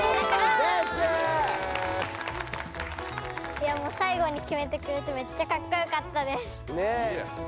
いやもう最後にきめてくれてめっちゃかっこよかったです。